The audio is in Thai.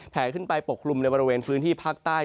ขึ้นไปปกคลุมในบริเวณพื้นที่ภาคใต้